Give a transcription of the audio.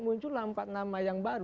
muncullah empat nama yang baru